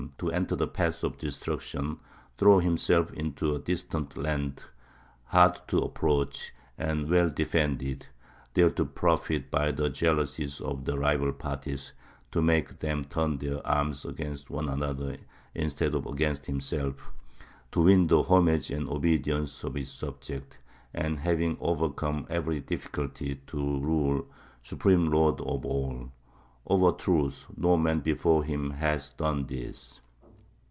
To enter the paths of destruction, throw himself into a distant land, hard to approach, and well defended; there to profit by the jealousies of the rival parties, to make them turn their arms against one another instead of against himself; to win the homage and obedience of his subjects; and, having overcome every difficulty, to rule supreme lord of all! Of a truth, no man before him has done this!"